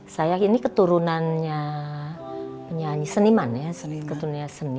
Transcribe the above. saya ini keturunannya penyanyi seniman ya keturnia seni